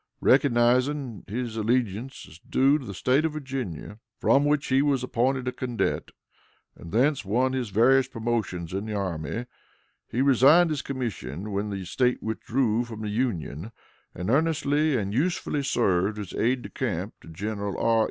Recognizing his allegiance as due to the State of Virginia, from which he was appointed a cadet, and thence won his various promotions in the army, he resigned his commission when the State withdrew from the Union, and earnestly and usefully served as aide de camp to General R.